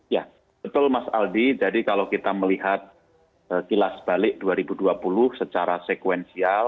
ya betul mas aldi jadi kalau kita melihat kilas balik dua ribu dua puluh secara sekuensial